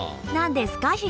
何ですか？